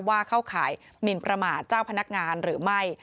ว่าเข้าข่าวหรือไม่